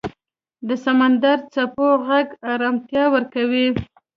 د سمندر څپو غږ آرامتیا ورکوي.